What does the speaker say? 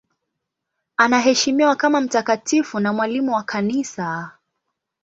Anaheshimiwa kama mtakatifu na mwalimu wa Kanisa.